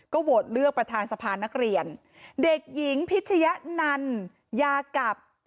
โหวตเลือกประธานสภานักเรียนเด็กหญิงพิชยะนันยากับ